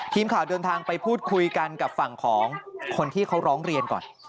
ทีมข่าวเดินทางไปพูดคุยกันกับฝั่งของคนที่เขาร้องเรียนก่อน